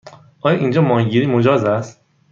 آیا اینجا ماهیگیری مجاز است؟